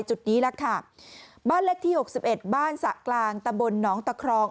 จุดนี้แหละค่ะบ้านเลขที่หกสิบเอ็ดบ้านสระกลางตำบลหนองตะครอง